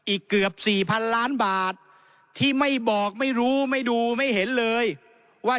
อีกเกือบสี่พันล้านบาทที่ไม่บอกไม่รู้ไม่ดูไม่เห็นเลยว่า